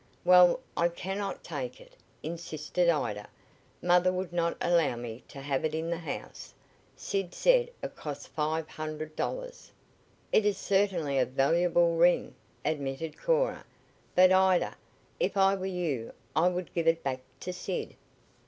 "Well, I cannot take it," insisted Ida. "Mother would not allow me to have it in the house. Sid said it cost five hundred dollars." "It is certainly a very valuable ring," admitted Cora. "But, Ida, if I were you I would give it back to Sid."